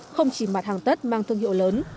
không chỉ mặt hàng tất mang thương hiệu lớn